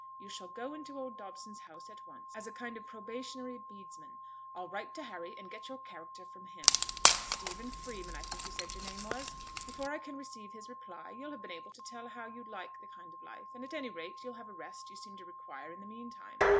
You shall go into old Dobson's house at once, as a kind of probationary bedesman. I'll write to Harry, and get your character from him. Stephen Freeman I think you said your name was? Before I can receive his reply you'll have been able to tell how you'd like the kind of life; and at any rate you'll have the rest you seem to require in the meantime.